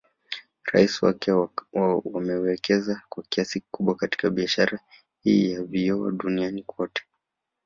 Raia wake wamewekeza kwa kiasi kikubwa katika Biasahara hii ya vioo Dunniani kote